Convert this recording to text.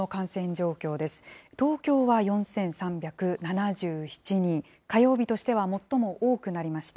東京は４３７７人、火曜日としては最も多くなりました。